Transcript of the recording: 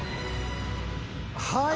はい！